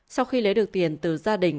sau khi lấy được tiền từ gia đình